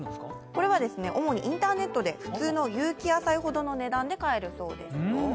これは主にインターネットで普通の有機野菜ほどの値段で買えるそうですよ。